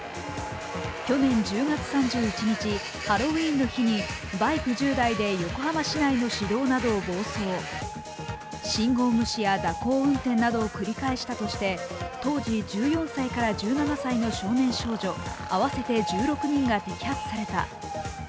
去年１０月３１日、ハロウィーンの日に信号無視や蛇行運転などを繰り返したとして当時１４歳から１７歳の少年・少女合わせて１６人が摘発された。